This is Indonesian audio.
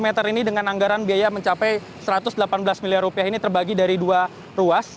lima meter ini dengan anggaran biaya mencapai satu ratus delapan belas miliar rupiah ini terbagi dari dua ruas